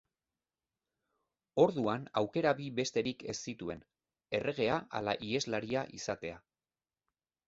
Orduan aukera bi besterik ez zituen: erregea ala iheslaria izatea.